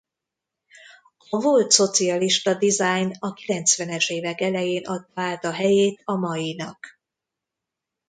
A volt szocialista design a kilencvenes évek elején adta át a helyét a mainak.